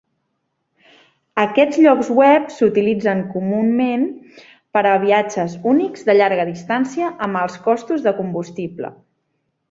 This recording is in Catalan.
Aquests llocs web s'utilitzen comunament per a viatges únics de llarga distància amb alts costos de combustible.